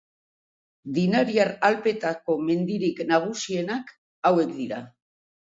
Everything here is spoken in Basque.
Dinariar Alpeetako mendirik nagusienak hauek dira.